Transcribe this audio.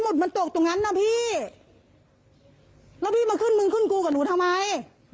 มันตกตรงนั้นนะพี่แล้วพี่มาขึ้นมึงขึ้นกูกับหนูทำไม